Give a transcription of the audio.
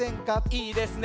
いいですね